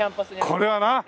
これはな。